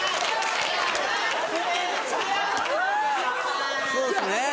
そうですね。